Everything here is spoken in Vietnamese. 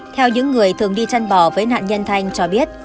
theo những người thường đi chăn bò với nạn nhân thanh cho biết